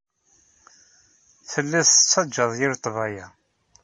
Telliḍ tettajjaḍ yir ḍḍbayeɛ.